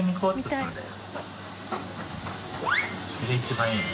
それが一番いいの。